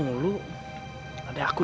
gimana kalau satria mulu